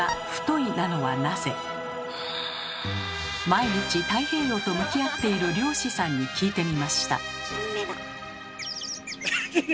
毎日太平洋と向き合っている漁師さんに聞いてみました。